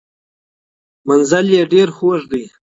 منزل یې ډیر خوږ دی.